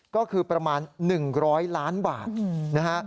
ก็คือประมาณ๑๐๐ล้านบาทนะฮะ